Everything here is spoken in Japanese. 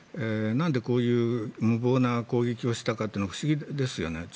何でこういう無謀な攻撃をしたかは不思議ですよね。